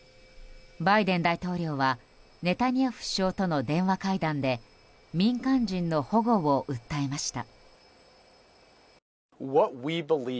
バイデン大統領はネタニヤフ首相との電話会談で民間人の保護を訴えました。